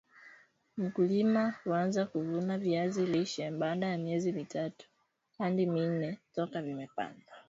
mkulima huanza kuvuna viazi lishe baada ya miezi mitatu hadi minne toka vimepandwa